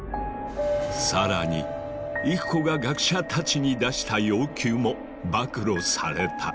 更に郁子が学者たちに出した要求も暴露された。